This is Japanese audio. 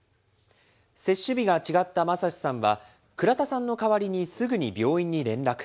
接種日が違った正さんは、倉田さんの代わりにすぐに病院に連絡。